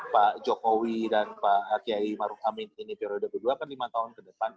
pak jokowi dan pak hakyai maruhamid ini periode kedua kan lima tahun ke depan